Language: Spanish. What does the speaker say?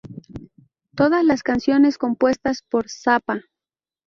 Todas las canciones compuestas por Zappa.